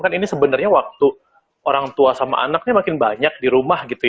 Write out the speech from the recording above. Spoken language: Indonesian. kan ini sebenarnya waktu orang tua sama anaknya makin banyak di rumah gitu ya